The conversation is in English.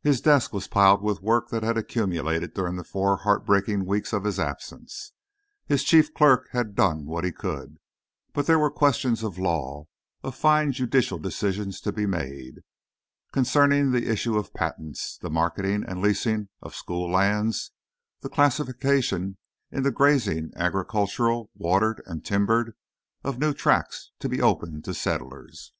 His desk was piled with work that had accumulated during the four heartbreaking weeks of his absence. His chief clerk had done what he could, but there were questions of law, of fine judicial decisions to be made concerning the issue of patents, the marketing and leasing of school lands, the classification into grazing, agricultural, watered, and timbered, of new tracts to be opened to settlers.